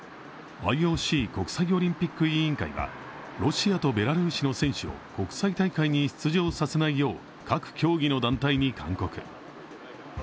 ＩＯＣ＝国際オリンピック委員会はロシアとベラルーシの選手を国際大会に出場させないよう各競技の団体に勧告。